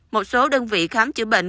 một số đơn vị khám chữa bệnh